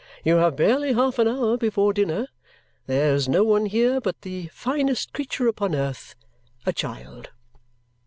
You have barely half an hour before dinner. There's no one here but the finest creature upon earth a child."